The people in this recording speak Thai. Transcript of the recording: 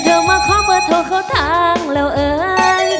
จนเธอมาขอเบอร์โทเขาทางเราเอ๋ย